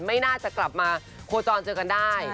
ไม่น่าจะกลับมาโคจรเจอกันได้